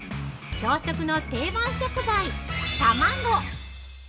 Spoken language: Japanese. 朝食の定番食材、卵。